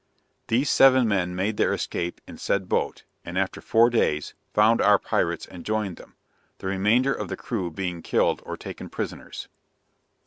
These seven men made their escape in said boat, and after four days, found our pirates and joined them; the remainder of the crew being killed or taken prisoners.